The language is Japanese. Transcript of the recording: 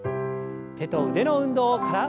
手と腕の運動から。